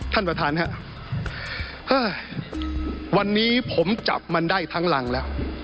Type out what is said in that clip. ท่านประธานครับวันนี้ผมจับมันได้ทั้งรังแล้ว